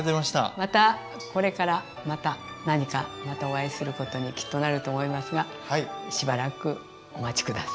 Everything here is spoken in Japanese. またこれからまた何かまたお会いすることにきっとなると思いますがしばらくお待ち下さい。